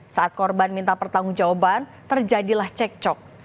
saat korban minta pertanggung jawaban terjadilah cekcok